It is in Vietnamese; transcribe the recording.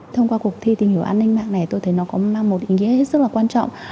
thông qua cuộc thi tìm hiểu an ninh mạng này tôi thấy nó có mang một ý nghĩa hết sức là quan trọng